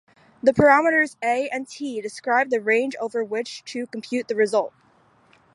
The parameters "a" and "t" describe the range over which to compute the result.